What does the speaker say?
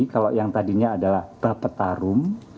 kalau yang tadinya adalah bapak tarum